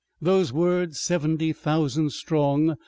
Those words, "Seventy thousand strong!"